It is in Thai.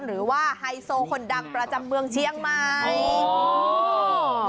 หรือว่าไฮโซร้าคนดังประจำเมืองเชียงใหม่